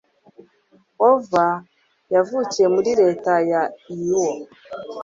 hoover yavukiye muri leta ya iowa